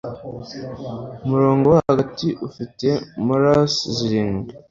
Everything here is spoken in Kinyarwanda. umurongo wo hagati ufite moras zirindwi